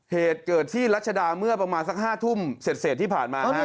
เหตุเกิดที่รัชดาเมื่อประมาณสัก๕ทุ่มเสร็จที่ผ่านมา